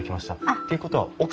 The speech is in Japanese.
っていうことは奥様？